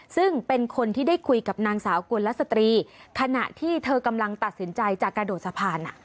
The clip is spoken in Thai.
ซึ่งเป็นคนที่ได้คุยกับนางสาวกุลสตรีขณะที่เธอกำลังตัดสินใจจะกระโดดสะพาน